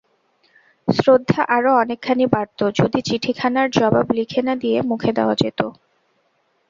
শ্রদ্ধা আরো অনেকখানি বাড়ত যদি চিঠিখানার জবাব লিখে না দিয়ে মুখে দেওয়া যেত।